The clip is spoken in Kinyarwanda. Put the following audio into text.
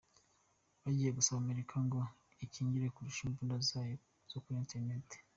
Bagiye gusaba Amerika ngo ikingire kurusha imbuga zayo zo kuri internet.